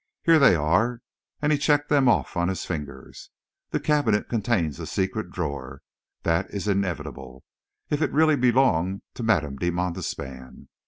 Here they are," and he checked them off on his fingers. "The cabinet contains a secret drawer. This is inevitable, if it really belonged to Madame de Montespan.